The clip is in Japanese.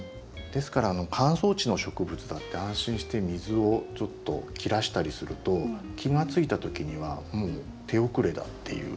ですから乾燥地の植物だって安心して水をちょっと切らしたりすると気が付いた時にはもう手遅れだっていう。